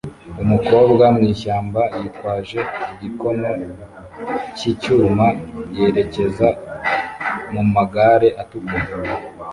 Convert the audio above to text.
Umukobwa mwishyamba yitwaje igikono cyicyuma yerekeza mumagare atukura